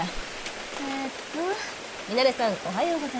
えーっとミナレさんおはようございます。